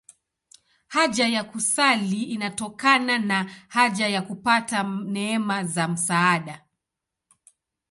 Haja ya kusali inatokana na haja ya kupata neema za msaada.